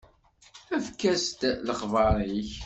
Efk-aɣ-d lexbar-ik.